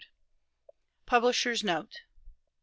PUBLISHERS' NOTE.